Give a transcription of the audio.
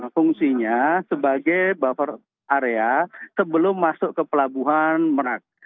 fungsinya sebagai buffer area sebelum masuk ke pelabuhan merak